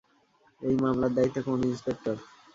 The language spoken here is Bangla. এই মামলার দায়িত্বে কোন ইন্সপেক্টর?